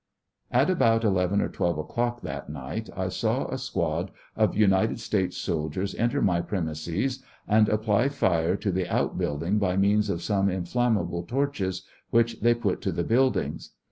At about 11 or 12 o'clock that night, I saw a squad of United States soldiers enter my premises and apply fire to the out building by means of some inflammable torches which they put to the buildings.